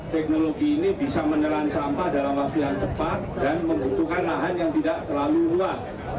teknologi ini bisa menelan sampah dalam waktu yang cepat dan membutuhkan lahan yang tidak terlalu luas